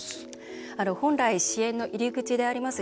本来、支援の入口であります